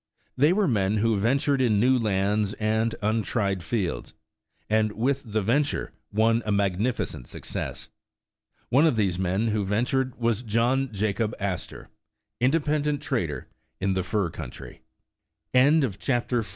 They were men who ventured in new lands and untried fields, and with the venture won a magnificent success. One of these men who ventured was John Jacob Astor, independent trader in the fur country. 104 CHAPTER XV.